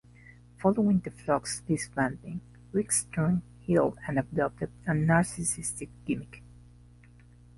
Following The Flock's disbanding, Riggs turned heel and adopted a narcissistic gimmick.